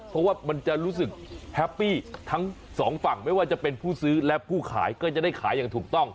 เพราะว่ามันจะรู้สึกแฮปปี้ทั้งสองฝั่งไม่ว่าจะเป็นผู้ซื้อและผู้ขายก็จะได้ขายอย่างถูกต้อง